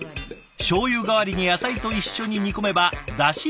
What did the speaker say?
しょうゆ代わりに野菜と一緒に煮込めばだし